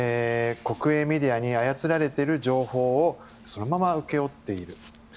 国営メディアに操られている情報をそのまま請け負っている。